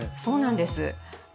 そうなんです。